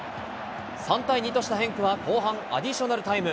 ３対２としたヘンクは後半アディショナルタイム。